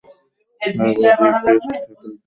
সর্বাধিক টেস্ট শতক